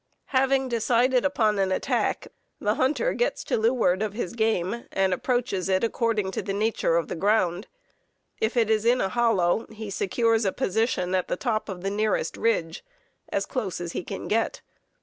Having decided upon an attack, the hunter gets to leeward of his game, and approaches it according to the nature of the ground. If it is in a hollow, he secures a position at the top of the nearest ridge, as close as he can get.